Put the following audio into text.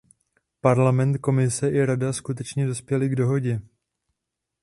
Parlament, Komise i Rada skutečně dospěly k dohodě.